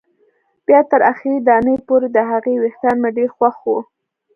بیا تر اخري دانې پورې، د هغې وېښتان مې ډېر خوښ وو.